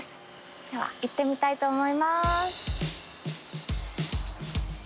では行ってみたいと思います。